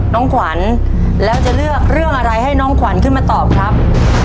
น้องขวัญแล้วจะเลือกเรื่องอะไรให้น้องขวัญขึ้นมาตอบครับ